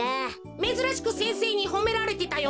めずらしく先生にほめられてたよな。